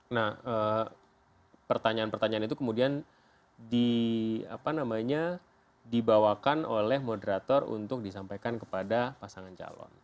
nah pertanyaan pertanyaan itu kemudian dibawakan oleh moderator untuk disampaikan kepada pasangan calon